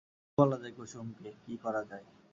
কী বলা যায় কুসুমকে, কী করা যায়!